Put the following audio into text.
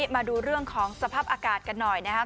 มาดูเรื่องของสภาพอากาศกันหน่อยนะครับ